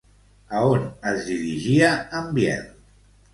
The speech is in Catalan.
A on es dirigia en Biel?